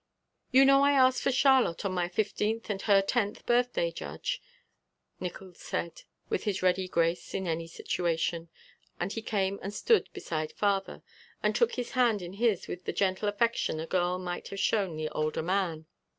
"You know I asked for Charlotte on my fifteenth and her tenth birthday, Judge," Nickols said, with his ready grace in any situation, and he came and stood beside father and took his hand in his with the gentle affection a girl might have shown the older man.